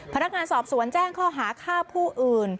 พนักงานสอบสวนแจ้งข้อหาฆ่าผู้อื่น